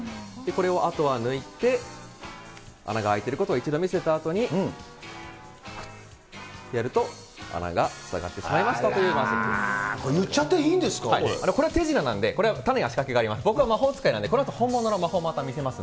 これをあとは抜いて、穴が開いてることを一度見せたあとにやると穴が塞がってしまいまこれ、言っちゃっていいんでこれは手品なんで、これは種や仕掛けがあります。